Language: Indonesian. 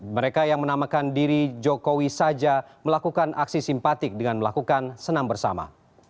mereka yang menamakan diri jokowi saja melakukan aksi simpatik dengan melakukan senam bersama